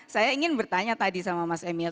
saya ingin bertanya tadi sama mas emil